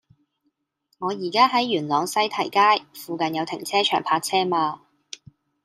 我依家喺元朗西堤街，附近有停車場泊車嗎